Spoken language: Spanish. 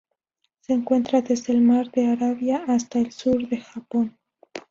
Se encuentra desde el Mar de Arabia hasta el sur del Japón.